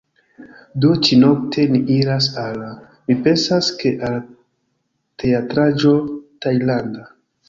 Do, ĉi-nokte ni iras al... mi pensas, ke al teatraĵo tajlanda